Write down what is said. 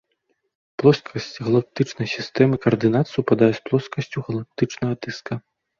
Плоскасць галактычнай сістэмы каардынат супадае з плоскасцю галактычнага дыска.